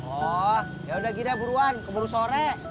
oh ya udah gila buruan keburu sore